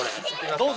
どうぞ。